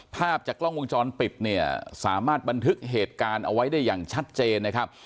ภาพจากกล้องวงจรปิดเนี่ยสามารถบันทึกเหตุการณ์เอาไว้ได้อย่างชัดเจนนะครับ